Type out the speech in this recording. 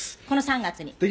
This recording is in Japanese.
「この３月に」